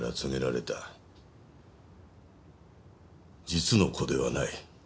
実の子ではない。